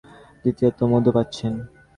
দ্বিতীয়ত, মধু পাচ্ছেন।